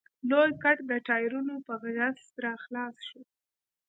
لوی ګټ د ټايرونو په غژس راخلاص شو.